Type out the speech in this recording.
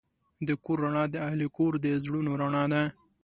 د کور رڼا د اهلِ کور د زړونو رڼا ده.